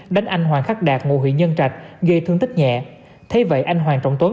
đánh anh hoàng khắc đạt ngụ huỷ nhân trạch gây thương tích nhẹ thế vậy anh hoàng trọng tuấn